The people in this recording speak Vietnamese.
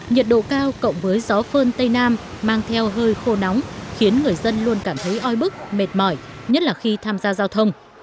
nhiệt độ cao cộng với gió phơn tây nam mang theo hơi khô nóng khiến người dân luôn cảm thấy oi bức mệt mỏi nhất là khi tham gia giao thông